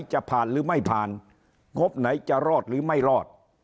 จะผ่านหรือไม่ผ่านงบไหนจะรอดหรือไม่รอด